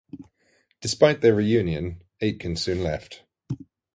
Despite their reunion, Aitken soon left.